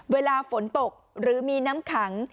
เวลาฝนตกหรือมีน้ำขัง